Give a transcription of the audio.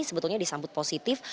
sebetulnya disambut positif